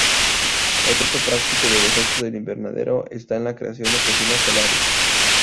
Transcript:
Otro uso práctico del efecto del invernadero está en la creación de cocinas solares.